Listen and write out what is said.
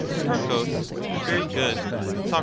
Pro. Very good. Soc.